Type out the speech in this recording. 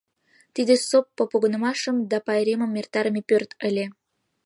Тиде соппо — погынымашым да пайремым эртарыме пӧрт ыле.